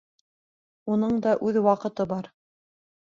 Уның да үҙ ваҡыты бар.